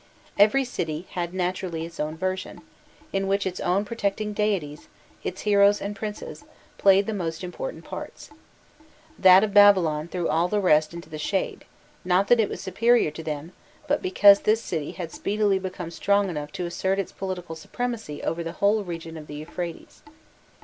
Every city had naturally its own version, in which its own protecting deities, its heroes and princes, played the most important parts. That of Babylon threw all the rest into the shade; not that it was superior to them, but because this city had speedily become strong enough to assert its political supremacy over the whole region of the Euphrates.